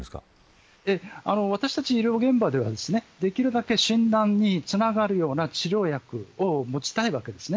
私たち医療現場ではできるだけ診断につながるような治療薬を持ちたいわけです。